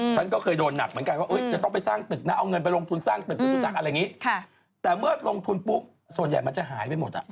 ฉันก็เคยโดนหนักเหมือนกันว่าจะต้องไปสร้างตึกนะเอาเงินไปลงทุนสร้างตึกหรือรู้จักอะไรอย่างนี้แต่เมื่อลงทุนปุ๊บส่วนใหญ่มันจะหายไปหมดอ่ะ